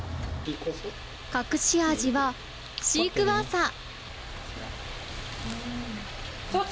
隠し味はシークヮーサー。